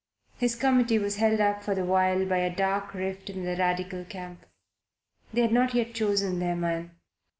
His committee was held up for the while by a dark rift in the Radical camp. They had not yet chosen their man.